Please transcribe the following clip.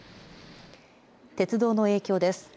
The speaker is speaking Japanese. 鉄道の影響です。